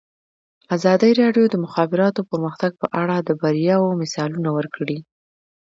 ازادي راډیو د د مخابراتو پرمختګ په اړه د بریاوو مثالونه ورکړي.